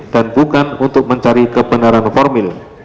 dan bukan untuk mencari kebenaran formil